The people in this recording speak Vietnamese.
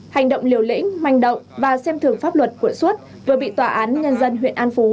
hành động liều lĩnh manh động và xem thường pháp luật của xuất vừa bị tòa án nhân dân huyện an phú